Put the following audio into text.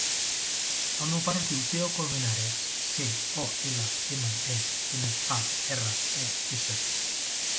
El meu pare es diu Teo Colmenares: ce, o, ela, ema, e, ena, a, erra, e, essa.